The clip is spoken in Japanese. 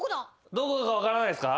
どこか分からないですか？